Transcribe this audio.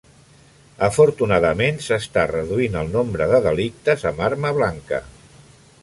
Afortunadament, s'està reduint el nombre de delictes amb arma blanca.